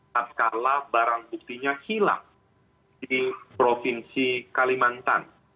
tak kala barang buktinya hilang di provinsi kalimantan